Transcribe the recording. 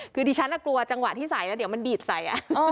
คือดิฉันกลัวจังหวะที่ใส่แล้วเดี๋ยวมันบีบใส่